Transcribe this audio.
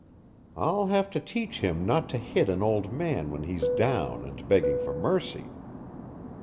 I'll have to teach him not to hit an old man when he's down and begging for mercy.